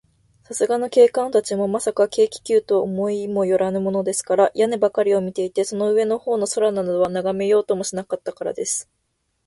さすがの警官たちも、まさか、軽気球とは思いもよらぬものですから、屋根ばかりを見ていて、その上のほうの空などは、ながめようともしなかったからです。